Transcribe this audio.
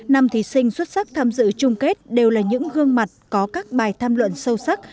năm thí sinh xuất sắc tham dự chung kết đều là những gương mặt có các bài tham luận sâu sắc